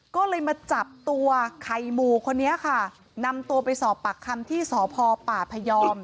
ก็เลยมาจับตัวไข่หมู่คนนี้ค่ะนำตัวไปสอบปากคำที่สพปพยอม